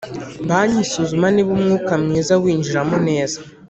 Banki isuzuma niba umwuka mwiza winjiramo neza